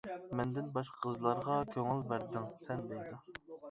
مەندىن باشقا قىزلارغا، كۆڭۈل بەردىڭ سەن دەيدۇ.